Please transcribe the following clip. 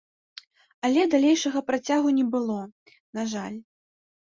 Але далейшага працягу не было, на жаль.